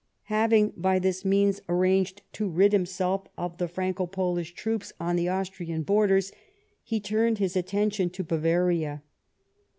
Having by this means arranged to rid himself of the Franco Polish troops on the Austrian borders, he turned his attention to Bavaria.